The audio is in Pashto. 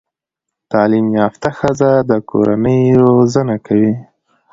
تعليم يافته ښځه د کورنۍ روزانه کوي